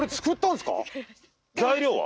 材料は？